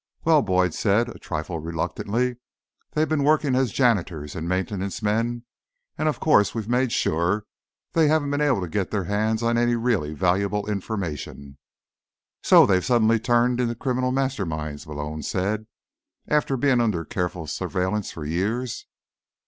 "Well," Boyd said, a trifle reluctantly, "they've been working as janitors and maintenance men, and of course we've made sure they haven't been able to get their hands on any really valuable information." "So they've suddenly turned into criminal masterminds," Malone said. "After being under careful surveillance for years."